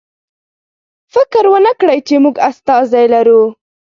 فکر ونکړئ چې موږ استازی لرو.